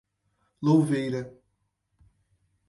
Louveira